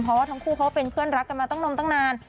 เพราะว่าทั้งคู่เขาเป็นเพื่อนรักกันมาตั้งนมตั้งนาน